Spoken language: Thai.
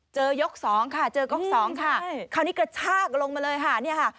ยกสองค่ะเจอก๊อกสองค่ะคราวนี้กระชากลงมาเลยค่ะเนี่ยค่ะ